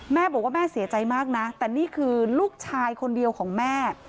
แม่บอกว่าแม่เสียใจมากนะแต่นี่คือลูกชายคนเดียวของแม่